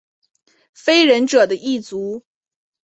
非人者的一族。